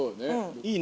いいね